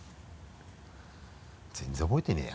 全然覚えてねぇや。